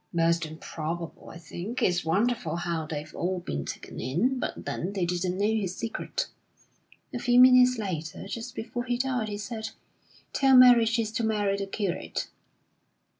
(Most improbable, I think. It's wonderful how they've all been taken in; but then they didn't know his secret!) A few minutes later, just before he died, he said: 'Tell Mary she's to marry the curate.'